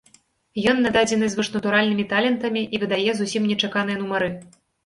Ён нададзены звышнатуральнымі талентамі і выдае зусім нечаканыя нумары.